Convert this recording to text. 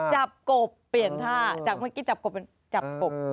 กบเปลี่ยนท่าจากเมื่อกี้จับกบจับกบ